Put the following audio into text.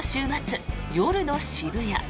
最初の週末夜の渋谷。